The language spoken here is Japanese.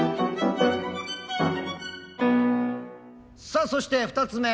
さあそして２つ目。